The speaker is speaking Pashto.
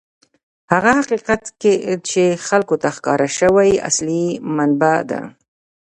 هغه حقیقت چې خلکو ته ښکاره شوی، اصلي مبنا ده.